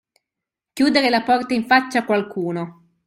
Chiudere la porta in faccia a qualcuno.